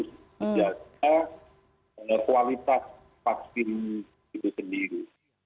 sehingga kita ada kualitas vaksin itu sendiri